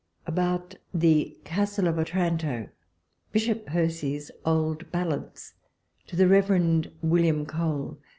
ABOUT THE "CASTLE OF OTIiANTO^ BISHOP PERCY'S OLD BALLADS. To THE Rev, William Cole.